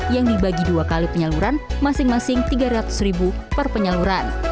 yang dibagi dua kali penyaluran masing masing rp tiga ratus per penyaluran